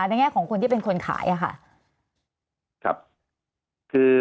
ในแง่ของคนที่เป็นคนขายค่ะ